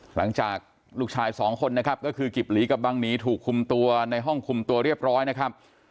หลังจากลูกชายสองคนนะครับก็คือกิบหลีกับบังหนีถูกคุมตัวในห้องคุมตัวเรียบร้อยนะครับ